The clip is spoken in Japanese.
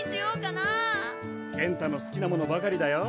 健太の好きなものばかりだよ。